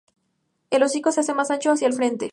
El hocico se hace más ancho hacia el frente.